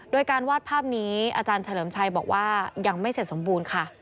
โดยการวาดภาพนี้อาจารย์เฉลิมชัยบอกว่ายังไม่เสร็จสมบูรณ์ค่ะ